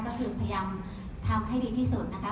ก็คือพยายามทำให้ดีที่สุดนะคะ